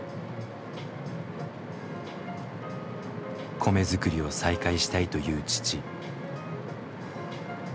米作りを再開したいという父。